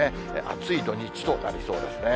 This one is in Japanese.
暑い土日となりそうですね。